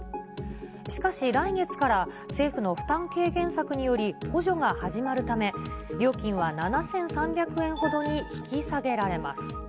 しかし、来月から政府の負担軽減策により補助が始まるため、料金は７３００円ほどに引き下げられます。